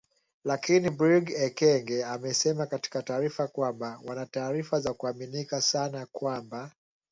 Lakini Brig Ekenge amesema katika taarifa kwamba wana taarifa za kuaminika sana kwamba